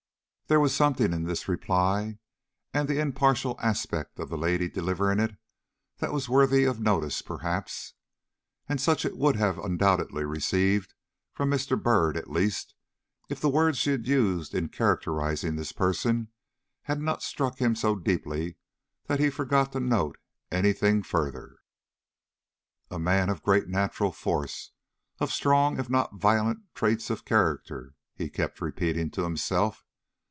There was something in this reply and the impartial aspect of the lady delivering it that was worthy of notice, perhaps. And such it would have undoubtedly received from Mr. Byrd, at least, if the words she had used in characterizing this person had not struck him so deeply that he forgot to note any thing further. "A man of great natural force of strong, if not violent traits of character," he kept repeating to himself.